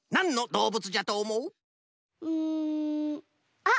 うんあっ！